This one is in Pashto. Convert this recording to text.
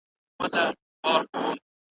پردي وطن ته په کډه تللي `